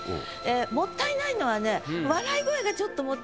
もったいないのはね「笑い声」が。